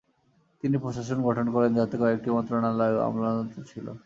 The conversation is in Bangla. তিনি প্রশাসন গঠন করেন যাতে কয়েকটি মন্ত্রণালয় ও আমলাতন্ত্র ছিল।